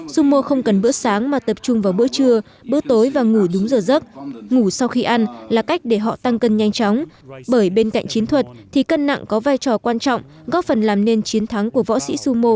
dung mô không cần bữa sáng mà tập trung vào bữa trưa bữa tối và ngủ đúng giờ giấc ngủ sau khi ăn là cách để họ tăng cân nhanh chóng bởi bên cạnh chiến thuật thì cân nặng có vai trò quan trọng góp phần làm nên chiến thắng của võ sĩ xu mô